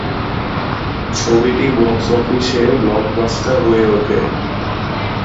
ছবিটি বক্স অফিসে ব্লকবাস্টার হয়ে ওঠে।